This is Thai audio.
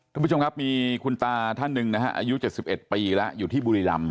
คุณผู้ชมครับมีคุณตาท่านหนึ่งนะฮะอายุ๗๑ปีแล้วอยู่ที่บุรีรำ